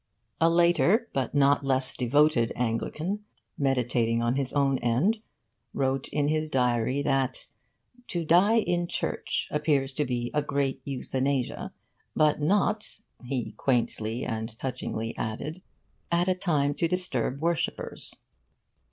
A later but not less devoted Anglican, meditating on his own end, wrote in his diary that 'to die in church appears to be a great euthanasia, but not,' he quaintly and touchingly added, 'at a time to disturb worshippers.